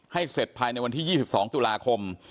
เสร็จภายในวันที่๒๒ตุลาคม